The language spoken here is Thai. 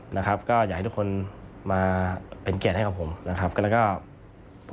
อยากให้ทุกคนมาเป็นเกียรติให้กับผม